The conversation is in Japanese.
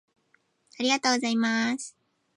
ありがとうございます